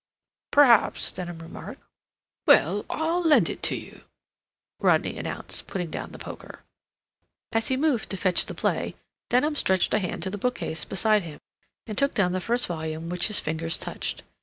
"Perhaps," Denham remarked. "Well, I'll lend it you," Rodney announced, putting down the poker. As he moved to fetch the play, Denham stretched a hand to the bookcase beside him, and took down the first volume which his fingers touched.